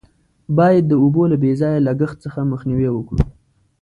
باید د اوبو له بې ځایه لگښت څخه مخنیوی وکړو.